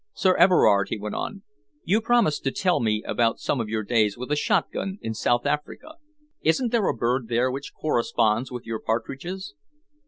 "Sir Everard," he went on, "you promised to tell me of some of your days with a shotgun in South Africa. Isn't there a bird there which corresponds with your partridges?"